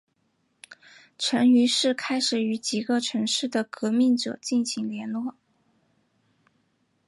陈于是开始与几个城市的革命者进行联络。